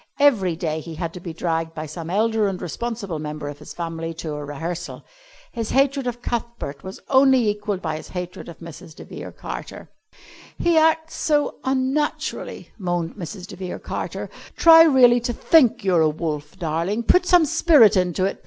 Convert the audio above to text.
Every day he had to be dragged by some elder and responsible member of his family to a rehearsal. His hatred of Cuthbert was only equalled by his hatred of Mrs. de Vere Carter. "He acts so unnaturally," moaned Mrs. de Vere Carter. "Try really to think you're a wolf, darling. Put some spirit into it.